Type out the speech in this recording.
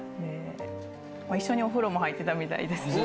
一緒にお風呂も入ってたみたいです。